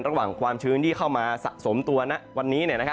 ระหว่างความชื้นที่เข้ามาสะสมตัวหน้าวันนี้